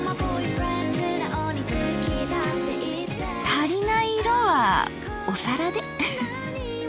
足りない色はお皿で。